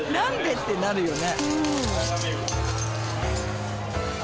ってなるよね。